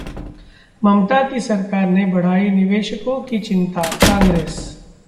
ममता की सरकार ने बढ़ाई निवेशकों की चिंता: कांग्रेस